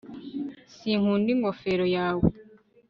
sinkunda ingofero yawe